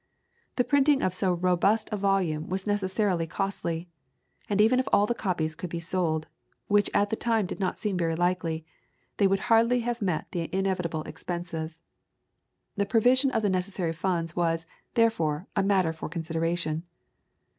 The printing of so robust a volume was necessarily costly; and even if all the copies could be sold, which at the time did not seem very likely, they would hardly have met the inevitable expenses. The provision of the necessary funds was, therefore, a matter for consideration.